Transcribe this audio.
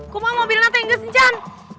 kumau mobilinnya tengge sencan